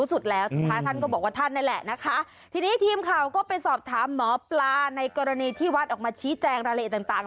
สุดแล้วสุดท้ายท่านก็บอกว่าท่านนั่นแหละนะคะทีนี้ทีมข่าวก็ไปสอบถามหมอปลาในกรณีที่วัดออกมาชี้แจงรายละเอียดต่างต่าง